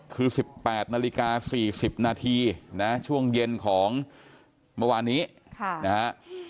คือสิบแปดนาฬิกาสี่สิบนาทีนะช่วงเย็นของเมื่อวานี้ค่ะนะฮะ